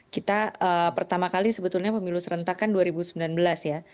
kita pertama kali sebetulnya pemilu serentak kan dua ribu sembilan belas ya